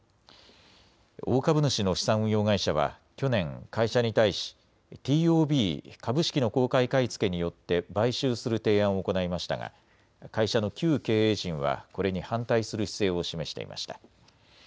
大株主の資産運用会社は去年、会社に対しＴＯＢ・株式の公開買い付けによって買収する提案を行いましたが会社の旧経営陣はこれに反対する姿勢を示していました。